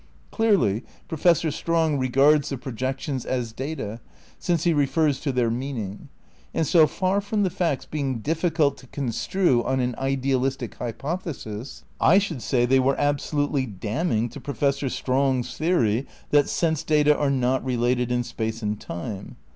(Clearly Professor Strong regards the projections as data, since he refers to their "meaning"); and so far from the facts being "diffi cult to construe on an idealistic hypothesis" I should say they were absolutely damning to Professor Strong's theory that sense data are not related in space and time.